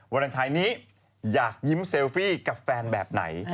วาเลนไทยนี้อยากยิ้มเซลฟี่กับแฟนแบบไหน